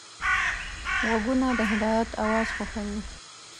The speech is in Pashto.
غوږونه د هدایت اواز خوښوي